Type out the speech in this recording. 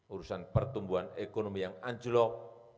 urusan pertumbuhan ekonomi yang anjlok